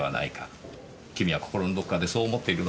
君は心のどこかでそう思っているのではありませんか？